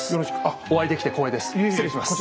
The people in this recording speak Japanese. お会いできて光栄です。